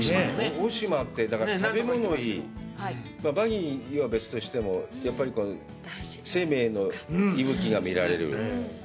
大島って、食べ物がいい、バギーは別としても、生命の息吹が見られる。